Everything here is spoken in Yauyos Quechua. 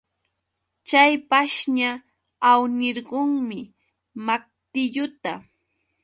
Chay pashña awnirqunmi maqtilluta.